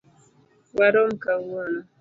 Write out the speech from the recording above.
Warom kawuono.